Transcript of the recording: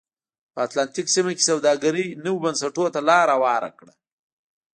په اتلانتیک سیمه کې سوداګرۍ نویو بنسټونو ته لار هواره کړه.